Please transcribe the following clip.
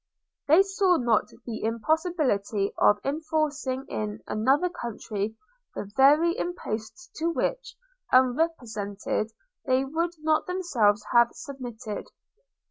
They saw not the impossibility of enforcing in another country the very imposts to which, unrepresented, they would not themselves have submitted.